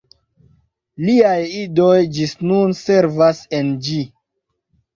Liaj idoj ĝis nun servas en ĝi.